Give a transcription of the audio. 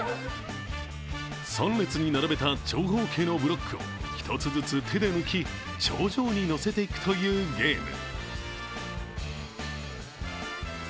３列に並べた長方形のブロックを１つずつ手で抜き頂上に載せていくというゲーム。